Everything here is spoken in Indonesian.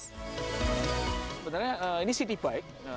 sebenarnya ini city bike